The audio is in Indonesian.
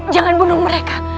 jangan bunuh mereka